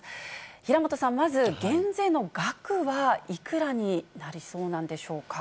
平本さん、まず減税の額はいくらになりそうなんでしょうか？